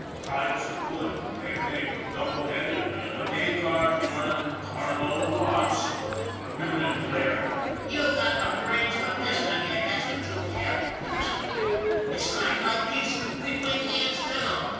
Times are good, everything's double headed, and the paycar's running carload lots." Noonan glared. f You've got the brains of a piston head, that's what you have," he exploded. " It's times like these we'd win hands down.